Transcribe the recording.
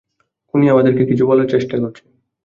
খুনি আমাদেরকে কিছু বলার চেষ্টা করছে।